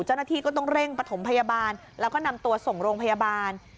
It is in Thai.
เจ้าหน้าที่ก็ต้องเร่งประถมพยาบาลแล้วก็นำตัวส่งโรงพยาบาล